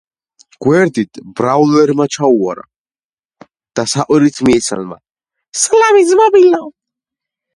გვერდით პატარა გემმა ჩაუარა და საყვირით მიესალმა.